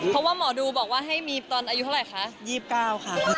เพราะวะหมอดูรักให้มีตอนอายุเท่าไหร่คะ